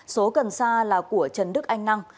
số cần sa là của trần đức anh năng